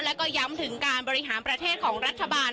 แล้วก็ย้ำถึงการบริหารประเทศของรัฐบาล